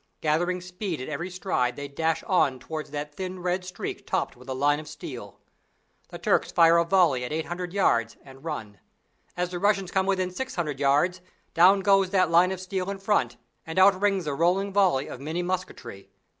Gathering speed at every stride they dash on towards that thin red streak topped with a line of steel. The Turks fire a volley at eight hundred yards and run. As the Russians come within six hundred yards, down goes that line of steel in front, and out rings a rolling volley of Minié musketry.